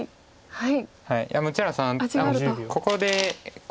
はい。